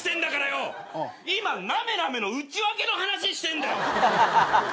今なめなめの内訳の話してんだよ！